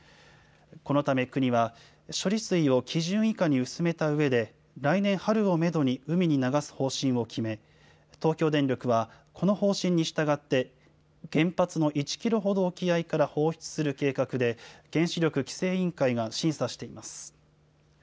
このため国は、処理水を基準以下に薄めたうえで、来年春をメドに海に流す方針を決め、東京電力は、この方針に従って、原発の１キロほど沖合から放出する計画で、原子力規制委員会が審査しています。